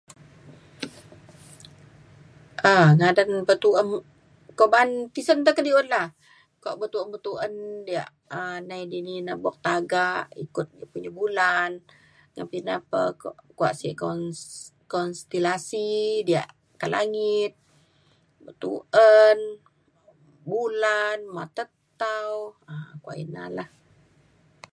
um ngadan bituen ko ban tisen te kediut la kuak bituen bituen ia' um nai dini na bok tagak ikut dia punya bulan na pa ida pa kuak si- kon- konstilasi diak ka langit bituen bulan otet tau kuak ina la